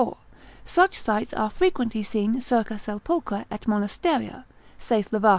such sights are frequently seen circa sepulchra et monasteria, saith Lavat.